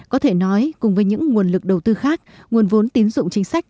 có thể nói cùng với những nguồn lực đầu tư khác nguồn vốn tín dụng chính sách